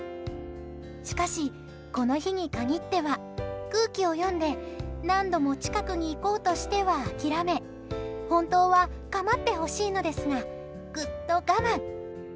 しかし、この日に限っては空気を読んで何度も近くに行こうとしては諦め本当は構ってほしいのですがぐっと我慢。